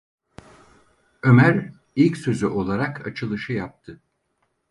Ömer ilk sözü olarak açılışı yaptı: